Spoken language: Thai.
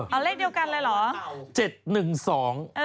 เอาเลขเดียวกันเลยเหรอ